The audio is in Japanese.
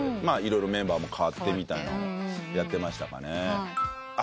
まあ色々メンバーもかわってみたいなのをやってましたかね。